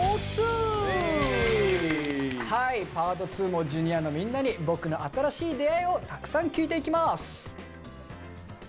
はいＰａｒｔ２もＪｒ．のみんなに「僕の新しい出会い」をたくさん聞いていきます。